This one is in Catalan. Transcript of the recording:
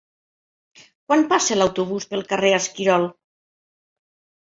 Quan passa l'autobús pel carrer Esquirol?